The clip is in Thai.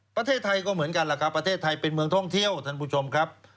ประเทศไทยก็เหมือนกันแหละครับประเทศไทยเป็นเมืองท่องเที่ยวท่านผู้ชมครับ